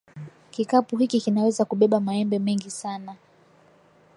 Kikapu hiki kinaweza kubeba maembe mengi sana.